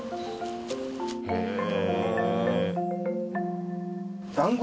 へえ。